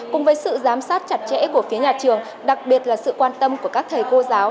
cùng với sự giám sát chặt chẽ của phía nhà trường đặc biệt là sự quan tâm của các thầy cô giáo